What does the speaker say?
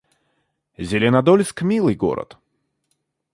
Зеленодольск — милый город